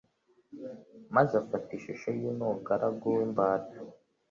maze afata ishusho y'un-tugaragu w'imbata.